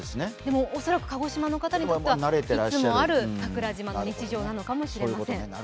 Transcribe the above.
恐らく鹿児島の方にとってはいつもある桜島の日常なのかもしれません。